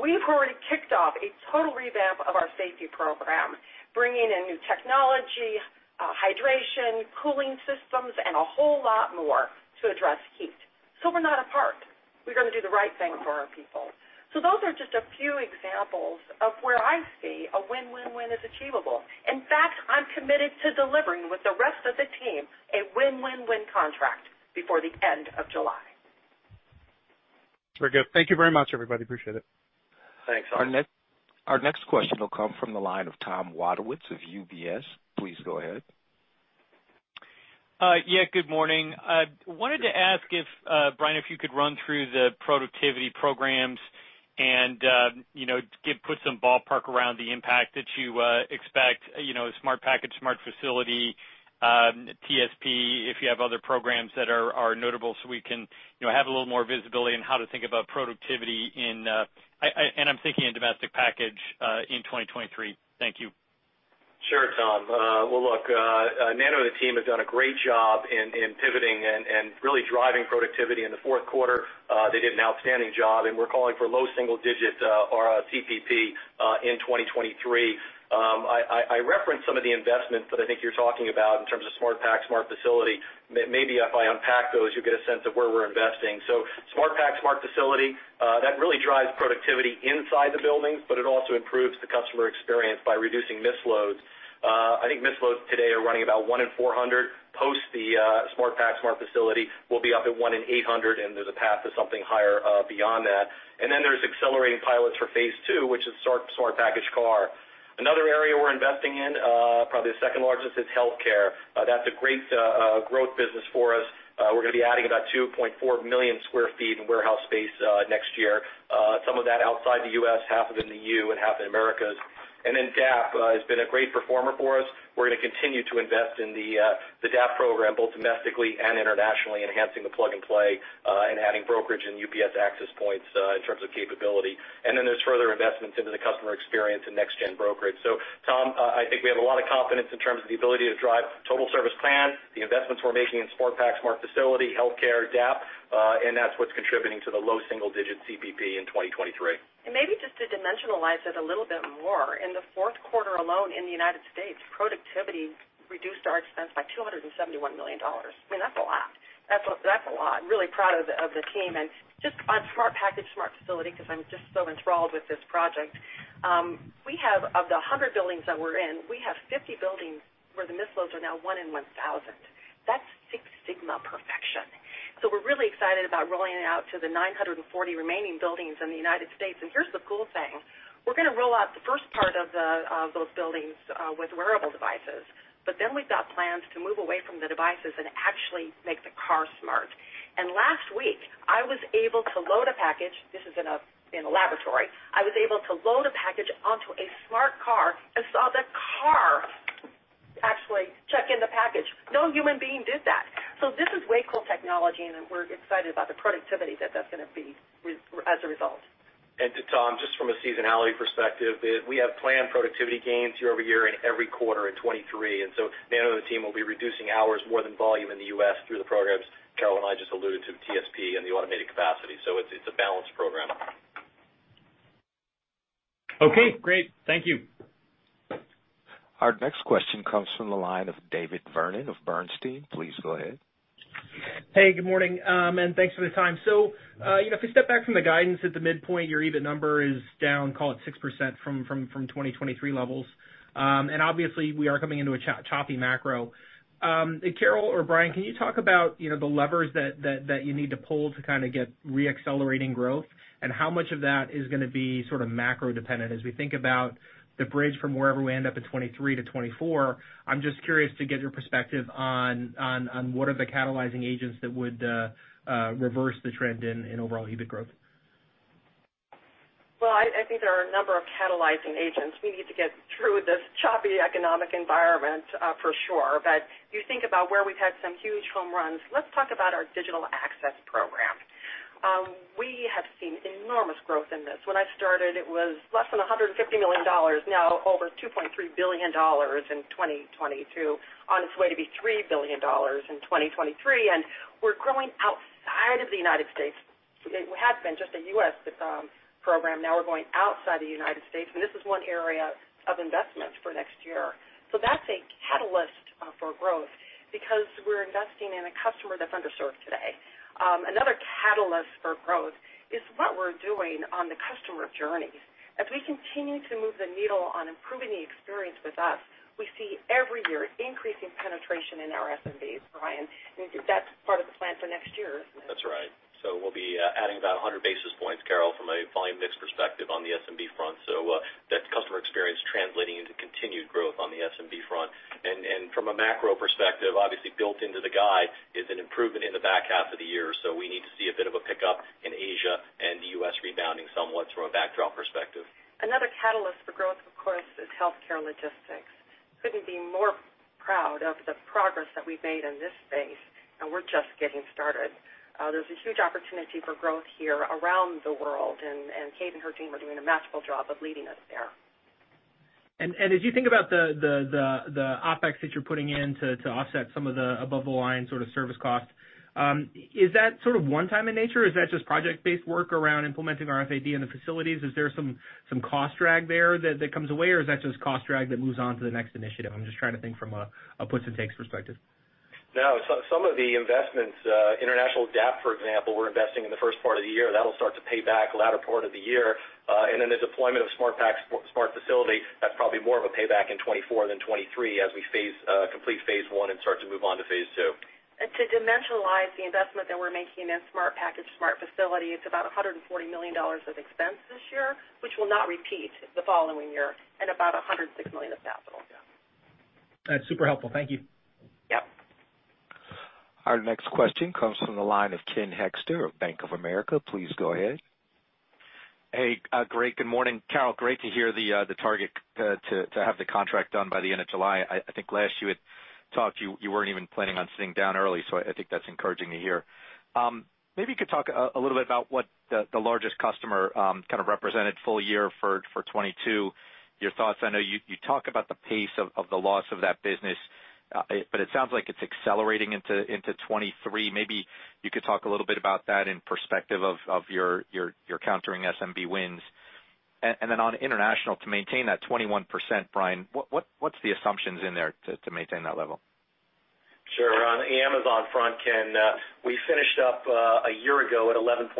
We've already kicked off a total revamp of our safety program, bringing in new technology, hydration, cooling systems, and a whole lot more to address heat. We're not apart. We're gonna do the right thing for our people. Those are just a few examples of where I see a win, win is achievable. In fact, I'm committed to delivering with the rest of the team a win, win contract before the end of July. Very good. Thank you very much, everybody. Appreciate it. Thanks. Our next question will come from the line of Tom Wadewitz of UBS. Please go ahead. Yeah, good morning. I wanted to ask if Brian, if you could run through the productivity programs and, you know, put some ballpark around the impact that you expect, you know, Smart Package, Smart Facility, TSP, if you have other programs that are notable so we can, you know, have a little more visibility on how to think about productivity in... I'm thinking in domestic package in 2023. Thank you. Sure, Tom. Nando and the team have done a great job in pivoting and really driving productivity in the fourth quarter. They did an outstanding job, and we're calling for low single digits, or a CPP, in 2023. I referenced some of the investments that I think you're talking about in terms of Smart Package, Smart Facility. Maybe if I unpack those, you'll get a sense of where we're investing. Smart Package, Smart Facility, that really drives productivity inside the buildings, but it also improves the customer experience by reducing misloads. I think misloads today are running about one in 400. Post the Smart Package, Smart Facility, we'll be up at one in 800, and there's a path to something higher beyond that. There's accelerating pilots for phase II, which is Smart Package Car. Another area we're investing in, probably the second largest is healthcare. That's a great growth business for us. We're gonna be adding about 2.4 million sq ft in warehouse space next year. Some of that outside the U.S., half of it in EU and half in Americas. DAP has been a great performer for us. We're gonna continue to invest in the DAP program both domestically and internationally, enhancing the plug and play and adding brokerage and UPS access points in terms of capability. There's further investments into the customer experience and next-gen brokerage. Tom, I think we have a lot of confidence in terms of the ability to drive Total Service Plan, the investments we're making in Smart Package, Smart Facility, healthcare, DAP, and that's what's contributing to the low single-digit CPP in 2023. Maybe just to dimensionalize it a little bit more, in the fourth quarter alone in the United States, productivity reduced our expense by $271 million. I mean, that's a lot. That's a lot. Really proud of the team. Just on Smart Package, Smart Facility, 'cause I'm just so enthralled with this project, we have of the 100 buildings that we're in, we have 50 buildings where the misloads are now 1 in 1,000. That's Six Sigma perfection. We're really excited about rolling it out to the 940 remaining buildings in the United States. Here's the cool thing. We're gonna roll out the first part of those buildings with wearable devices, but then we've got plans to move away from the devices and actually make the car smart. Last week, I was able to load a package. This is in a laboratory. I was able to load a package onto a Smart Car and saw the car actually check in the package. No human being did that. This is way cool technology, and we're excited about the productivity that that's gonna be as a result. To Tom, just from a seasonality perspective, we have planned productivity gains year-over-year in every quarter in 2023. Nando and the team will be reducing hours more than volume in the U.S. through the programs Carol and I just alluded to, TSP and the automated capacity. It's a balanced program. Okay, great. Thank you. Our next question comes from the line of David Vernon of Bernstein. Please go ahead. Hey, good morning, and thanks for the time. you know, if we step back from the guidance at the midpoint, your EBIT number is down, call it 6% from 2023 levels. obviously we are coming into a choppy macro. Carol or Brian, can you talk about, you know, the levers that you need to pull to kinda get re-accelerating growth, and how much of that is gonna be sort of macro dependent? As we think about the bridge from wherever we end up in 2023 to 2024, I'm just curious to get your perspective on what are the catalyzing agents that would reverse the trend in overall EBIT growth. Well, I think there are a number of catalyzing agents. We need to get through this choppy economic environment for sure. You think about where we've had some huge home runs. Let's talk about our Digital Access Program. We have seen enormous growth in this. When I started, it was less than $150 million, now over $2.3 billion in 2022, on its way to be $3 billion in 2023, and we're growing outside of the United States. It has been just a U.S. program, now we're going outside the United States, and this is one area of investment for next year. That's a catalyst for growth because we're investing in a customer that's underserved today. Another catalyst for growth is what we're doing on the customer journeys. As we continue to move the needle on improving the experience with us, we see every year increasing penetration in our SMBs, Brian. That's part of the plan for next year. That's right. We'll be adding about 100 basis points, Carol, from a volume mix perspective on the SMB front. From a macro perspective, obviously built into the guide is an improvement in the back half of the year. We need to see a bit of a pickup in Asia and the U.S. rebounding somewhat from a backdrop perspective. Another catalyst for growth, of course, is healthcare logistics. Couldn't be more proud of the progress that we've made in this space, we're just getting started. There's a huge opportunity for growth here around the world, and Kate and her team are doing a masterful job of leading us there. As you think about the OpEx that you're putting in to offset some of the above the line sort of service costs, is that sort of one-time in nature? Is that just project-based work around implementing RFID in the facilities? Is there some cost drag there that comes away, or is that just cost drag that moves on to the next initiative? I'm just trying to think from a puts and takes perspective. Some of the investments, international DAP, for example, we're investing in the first part of the year. That'll start to pay back the latter part of the year. The deployment of Smart Package, Smart Facility, that's probably more of a payback in 2024 than 2023 as we complete phase one and start to move on to phase two. To dimensionalize the investment that we're making in Smart Package, Smart Facility, it's about $140 million of expense this year, which will not repeat the following year, and about $106 million of capital. That's super helpful. Thank you. Yep. Our next question comes from the line of Ken Hoexter of Bank of America. Please go ahead. Hey, great. Good morning. Carol, great to hear the target to have the contract done by the end of July. I think last you had talked, you weren't even planning on sitting down early. I think that's encouraging to hear. Maybe you could talk a little bit about what the largest customer kind of represented full year for 2022, your thoughts. I know you talk about the pace of the loss of that business. It sounds like it's accelerating into 2023. Maybe you could talk a little bit about that in perspective of your countering SMB wins. Then on international to maintain that 21%, Brian, what's the assumptions in there to maintain that level? Sure. On the Amazon front, Ken, we finished up a year ago at 11.7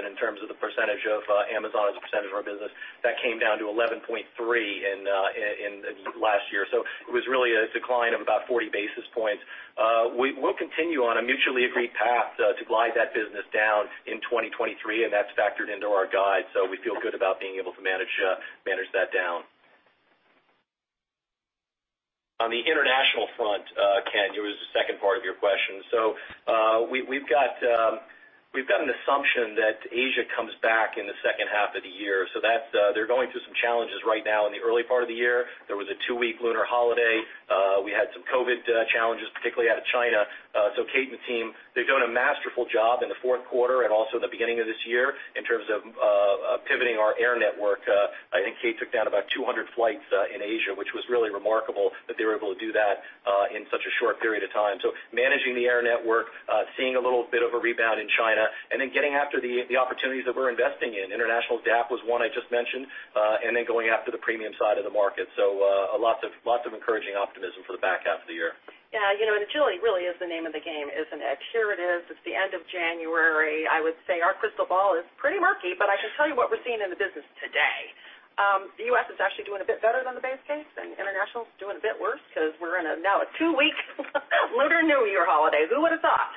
in terms of the percentage of Amazon as a percentage of our business. That came down to 11.3 in last year. It was really a decline of about 40 basis points. We will continue on a mutually agreed path to glide that business down in 2023, and that's factored into our guide. We feel good about being able to manage that down. On the international front, Ken, it was the second part of your question. We, we've got, we've got an assumption that Asia comes back in the second half of the year. That's, they're going through some challenges right now in the early part of the year. There was a two-week Lunar holiday. We had some COVID challenges, particularly out of China. Kate and team, they've done a masterful job in the fourth quarter and also the beginning of this year in terms of pivoting our air network. I think Kate took down about 200 flights in Asia, which was really remarkable that they were able to do that in such a short period of time. Managing the air network, seeing a little bit of a rebound in China, and then getting after the opportunities that we're investing in. International DAP was one I just mentioned, and then going after the premium side of the market. Lots of encouraging optimism for the back half of the year. Yeah, you know, and agility really is the name of the game, isn't it? Here it is, it's the end of January. I would say our crystal ball is pretty murky, but I can tell you what we're seeing in the business today. The U.S. is actually doing a bit better than the base case, and international is doing a bit worse because we're in a now a two-week Lunar New Year holiday. Who would've thought?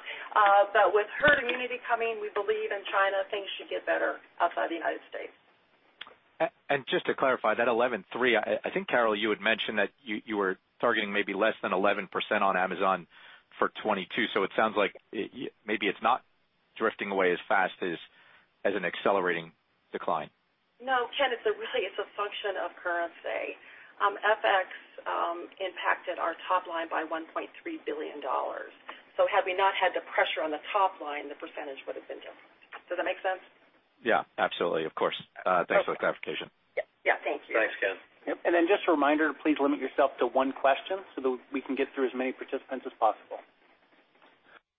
With herd immunity coming, we believe in China, things should get better outside the United States. Just to clarify, that 11.3%, I think Carol had mentioned that you were targeting maybe less than 11% on Amazon for 2022. It sounds like maybe it's not drifting away as fast as an accelerating decline. No, Ken, it's a really, it's a function of currency. FX impacted our top line by $1.3 billion. Had we not had the pressure on the top line, the percentage would have been different. Does that make sense? Yeah, absolutely. Of course. Thanks for the clarification. Yeah. Yeah. Thank you. Thanks, Ken. Yep. Just a reminder, please limit yourself to one question so that we can get through as many participants as possible.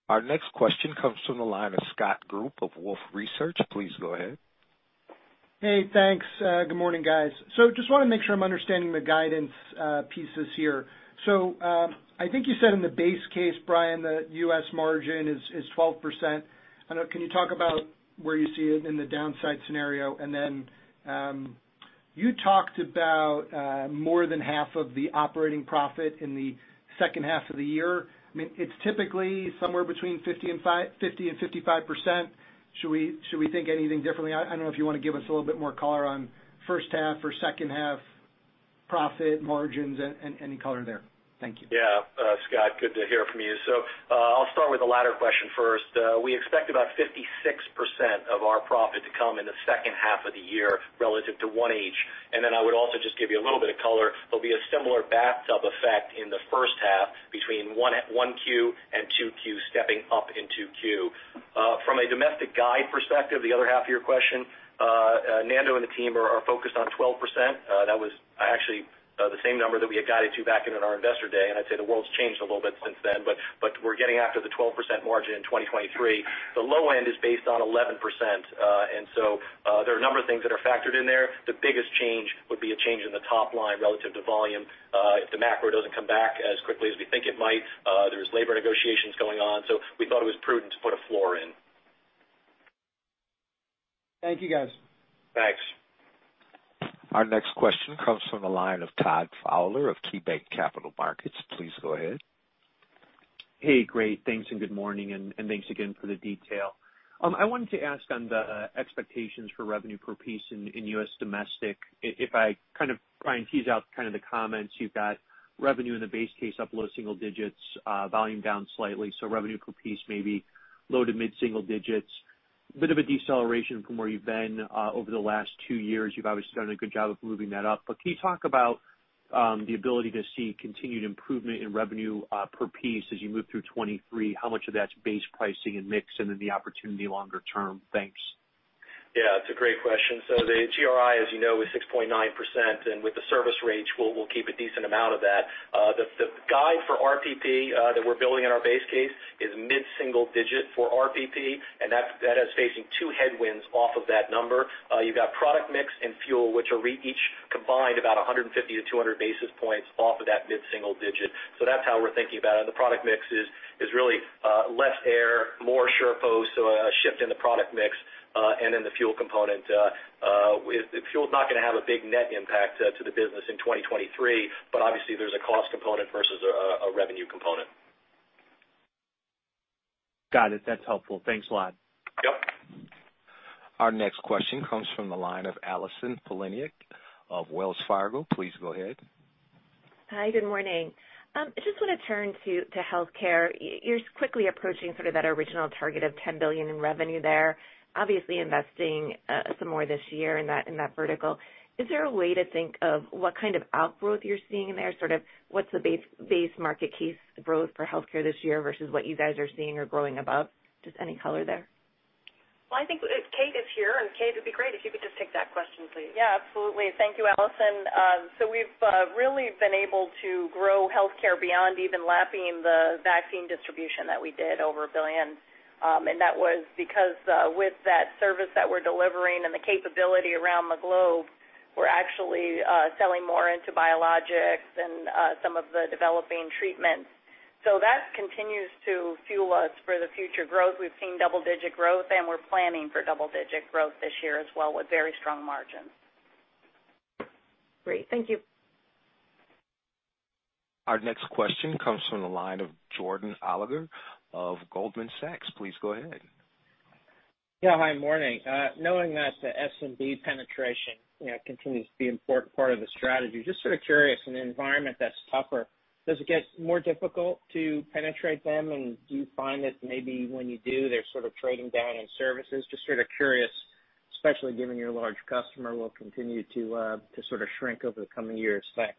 Our next question comes from the line of Scott Group of Wolfe Research. Please go ahead. Hey, thanks. Good morning, guys. Just wanna make sure I'm understanding the guidance pieces here. I think you said in the base case, Brian, the U.S. margin is 12%. I don't know, can you talk about where you see it in the downside scenario? Then you talked about more than half of the operating profit in the second half of the year. I mean, it's typically somewhere between 50% and 55%. Should we, should we think anything differently? I don't know if you wanna give us a little bit more color on first half or second half profit margins and any color there. Thank you. Yeah. Scott, good to hear from you. I'll start with the latter question first. We expect about 56% of our profit to come in the second half of the year relative to 1H. I would also just give you a little bit of color. There'll be a similar bathtub effect in the first half between one at 1Q and 2Q stepping up in 2Q. From a domestic guide perspective, the other half of your question, Nando and the team are focused on 12%. That was actually the same number that we had guided to back in at our investor day, and I'd say the world's changed a little bit since then, but we're getting after the 12% margin in 2023. The low end is based on 11%. There are a number of things that are factored in there. The biggest change would be a change in the top line relative to volume. If the macro doesn't come back as quickly as we think it might, there's labor negotiations going on, so we thought it was prudent to put a floor in. Thank you, guys. Thanks. Our next question comes from the line of Todd Fowler of KeyBanc Capital Markets. Please go ahead. Hey. Great, thanks, and good morning, and thanks again for the detail. I wanted to ask on the expectations for revenue per piece in U.S. domestic. If I kind of try and tease out kind of the comments, you've got revenue in the base case up low single digits, volume down slightly, so revenue per piece may be low to mid single digits. Bit of a deceleration from where you've been over the last two years. You've obviously done a good job of moving that up. Can you talk about the ability to see continued improvement in revenue per piece as you move through 2023? How much of that's base pricing and mix and then the opportunity longer term? Thanks. Yeah, it's a great question. The GRI, as you know, is 6.9%, and with the service rates, we'll keep a decent amount of that. The guide for RPP that we're building in our base case is mid-single digit for RPP, and that is facing two headwinds off of that number. You've got product mix and fuel, which are each combined about 150-200 basis points off of that mid-single digit. That's how we're thinking about it. The product mix is really less air, more SurePost, so a shift in the product mix and in the fuel component. Fuel's not gonna have a big net impact to the business in 2023, but obviously there's a cost component versus a revenue component. Got it. That's helpful. Thanks a lot. Yep. Our next question comes from the line of Allison Poliniak of Wells Fargo. Please go ahead. Hi. Good morning. I just wanna turn to healthcare. You're quickly approaching sort of that original target of $10 billion in revenue there, obviously investing some more this year in that vertical. Is there a way to think of what kind of outgrowth you're seeing there? Sort of what's the base market case growth for healthcare this year versus what you guys are seeing or growing above? Just any color there. Well, I think Kate is here, and Kate, it'd be great if you could just take that question, please. Yeah. Absolutely. Thank you, Allison. We've really been able to grow healthcare beyond even lapping the vaccine distribution that we did over 1 billion. That was because, with that service that we're delivering and the capability around the globe, we're actually selling more into biologics and some of the developing treatments. That continues to fuel us for the future growth. We've seen double-digit growth, and we're planning for double-digit growth this year as well with very strong margins. Great. Thank you. Our next question comes from the line of Jordan Alliger of Goldman Sachs. Please go ahead. Yeah. Hi, morning. Knowing that the SMB penetration, you know, continues to be an important part of the strategy, just sort of curious, in an environment that's tougher, does it get more difficult to penetrate them? Do you find that maybe when you do, they're sort of trading down in services? Just sort of curious, especially given your large customer will continue to sort of shrink over the coming years. Thanks.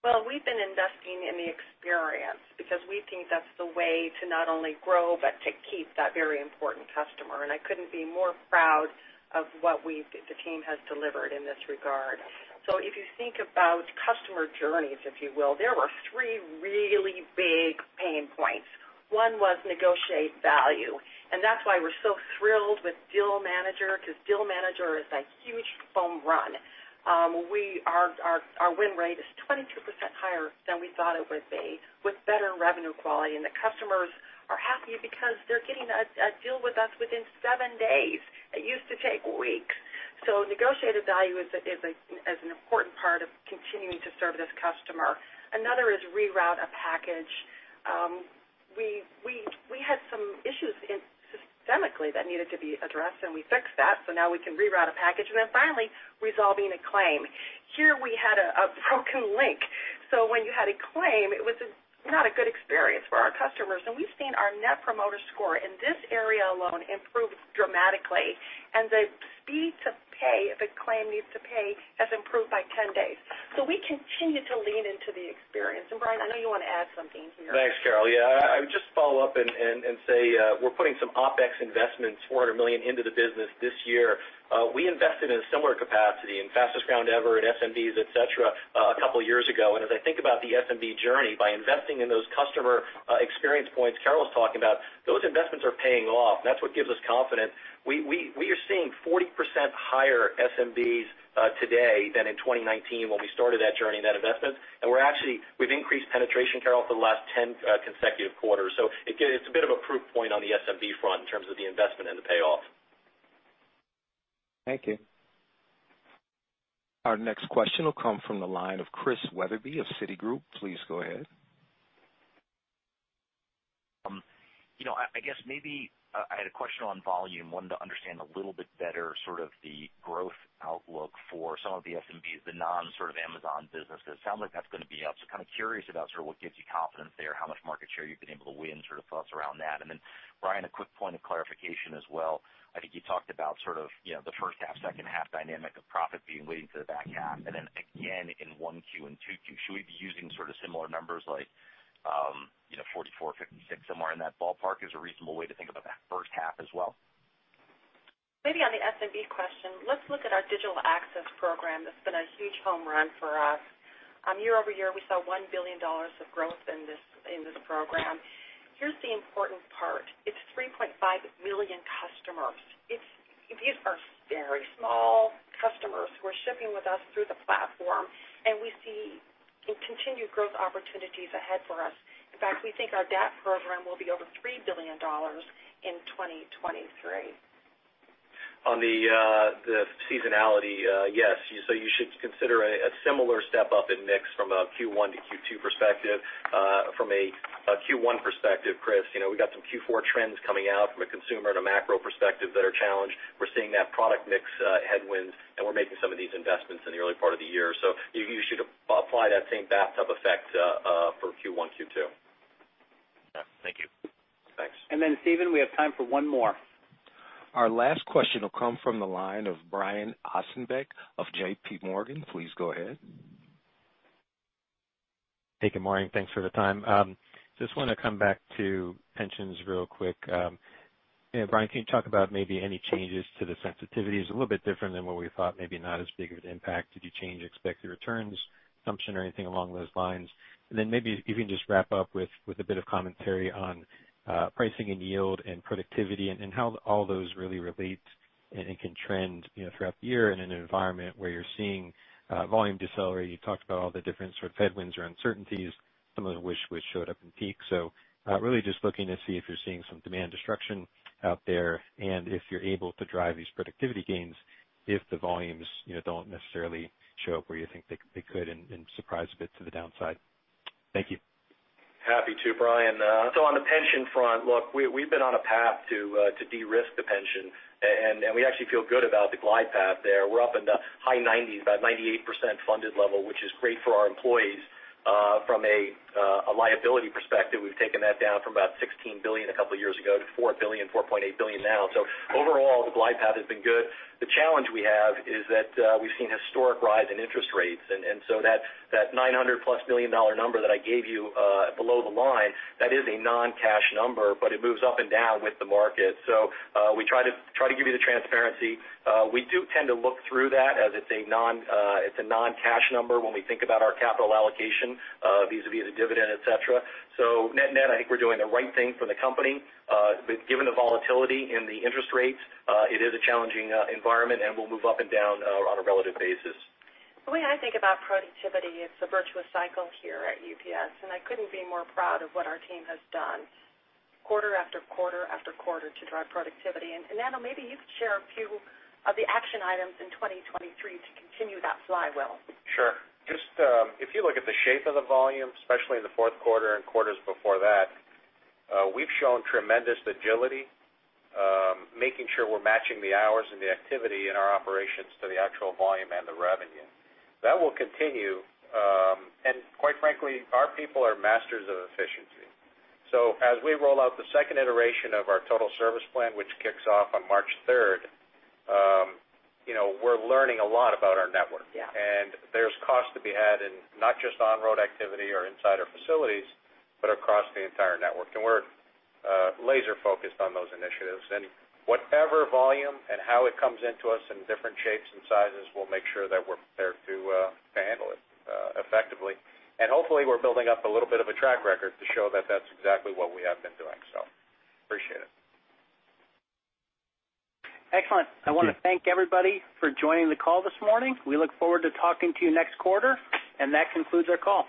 Well, we've been investing in the experience because we think that's the way to not only grow, but to keep that very important customer. I couldn't be more proud of what the team has delivered in this regard. If you think about customer journeys, if you will, there were three really big pain points. One was negotiate value, and that's why we're so thrilled with Deal Manager, 'cause Deal Manager is a huge home run. Our win rate is 22% higher than we thought it would be with better revenue quality, and the customers are happy because they're getting a deal with us within seven days. It used to take weeks. Negotiated value is an important part of continuing to serve this customer. Another is reroute a package. We had some issues systemically that needed to be addressed. We fixed that, so now we can reroute a package. Finally, resolving a claim. Here we had a broken link. When you had a claim, it was not a good experience for our customers. We've seen our Net Promoter Score in this area alone improve dramatically. The speed to pay, if a claim needs to pay, has improved by 10 days. We continue to lean into this. Brian, I know you want to add something here. Thanks, Carol. I would just follow up and say, we're putting some OpEx investments, $400 million into the business this year. We invested in a similar capacity in Fastest Ground Ever and SMBs, et cetera, a couple of years ago. As I think about the SMB journey, by investing in those customer experience points Carol's talking about, those investments are paying off. That's what gives us confidence. We are seeing 40% higher SMBs today than in 2019 when we started that journey and that investment. We've increased penetration, Carol, for the last 10 consecutive quarters. It's a bit of a proof point on the SMB front in terms of the investment and the payoff. Thank you. Our next question will come from the line of Christian Wetherbee of Citigroup. Please go ahead. You know, I guess maybe I had a question on volume. Wanted to understand a little bit better sort of the growth outlook for some of the SMBs, the non sort of Amazon businesses. Sounds like that's gonna be up. Kind of curious about sort of what gives you confidence there, how much market share you've been able to win, sort of thoughts around that. Brian, a quick point of clarification as well. I think you talked about sort of, you know, the first half, second half dynamic of profit being weighted to the back half. Again in 1Q and 2Q. Should we be using sort of similar numbers like, you know, 44, 56, somewhere in that ballpark as a reasonable way to think about that first half as well? Maybe on the SMB question, let's look at our Digital Access Program that's been a huge home run for us. year over year, we saw $1 billion of growth in this, in this program. Here's the important part. It's 3.5 million customers. These are very small customers who are shipping with us through the platform, and we see continued growth opportunities ahead for us. In fact, we think our DAP program will be over $3 billion in 2023. On the seasonality, yes. You should consider a similar step up in mix from a Q1 to Q2 perspective. From a Q1 perspective, Chris, you know, we got some Q4 trends coming out from a consumer and a macro perspective that are challenged. We're seeing that product mix headwinds, and we're making some of these investments in the early part of the year. You should apply that same bathtub effect for Q1, Q2. Yeah. Thank you. Thanks. Steven, we have time for one more. Our last question will come from the line of Brian Ossenbeck of JPMorgan. Please go ahead. Hey, good morning. Thanks for the time. Just wanna come back to pensions real quick. You know, Brian, can you talk about maybe any changes to the sensitivities? A little bit different than what we thought, maybe not as big of an impact. Did you change expected returns assumption or anything along those lines? Then maybe if you can just wrap up with a bit of commentary on pricing and yield and productivity and how all those really relate and can trend, you know, throughout the year in an environment where you're seeing volume decelerate. You talked about all the different sort of headwinds or uncertainties, some of which showed up in peak. Really just looking to see if you're seeing some demand destruction out there and if you're able to drive these productivity gains if the volumes, you know, don't necessarily show up where you think they could and surprise a bit to the downside. Thank you. Happy to, Brian. On the pension front, look, we've been on a path to de-risk the pension, and we actually feel good about the glide path there. We're up in the high 90s, about 98% funded level, which is great for our employees. From a liability perspective, we've taken that down from about $16 billion a couple of years ago to $4 billion-$4.8 billion now. Overall, the glide path has been good. The challenge we have is that we've seen historic rise in interest rates. That $900+ million number that I gave you below the line, that is a non-cash number, but it moves up and down with the market. We try to give you the transparency. We do tend to look through that as it's a non, it's a non-cash number when we think about our capital allocation, vis-à-vis the dividend, et cetera. Net-net, I think we're doing the right thing for the company. Given the volatility in the interest rates, it is a challenging environment, and we'll move up and down on a relative basis. The way I think about productivity, it's a virtuous cycle here at UPS. I couldn't be more proud of what our team has done quarter after quarter after quarter to drive productivity. Nando, maybe you could share a few of the action items in 2023 to continue that flywheel. Sure. Just, if you look at the shape of the volume, especially in the fourth quarter and quarters before that, we've shown tremendous agility, making sure we're matching the hours and the activity in our operations to the actual volume and the revenue. That will continue, and quite frankly, our people are masters of efficiency. As we roll out the second iteration of our Total Service Plan, which kicks off on March 3rd, you know, we're learning a lot about our network. Yeah. There's cost to be had in not just on-road activity or inside our facilities, but across the entire network. We're laser focused on those initiatives. Whatever volume and how it comes into us in different shapes and sizes, we'll make sure that we're prepared to handle it effectively. Hopefully, we're building up a little bit of a track record to show that that's exactly what we have been doing. Appreciate it. Excellent. I wanna thank everybody for joining the call this morning. We look forward to talking to you next quarter, and that concludes our call.